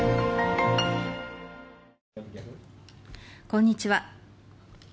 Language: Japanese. こんにちは。